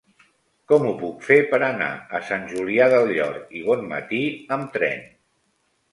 Com ho puc fer per anar a Sant Julià del Llor i Bonmatí amb tren?